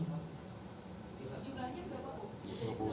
jumlahnya berapa bu